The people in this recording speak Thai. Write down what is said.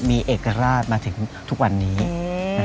มีเอกราชมาถึงทุกวันนี้